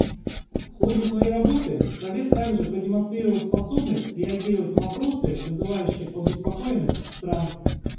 В ходе своей работы Совет также продемонстрировал способность реагировать на вопросы, вызывающие обеспокоенность стран.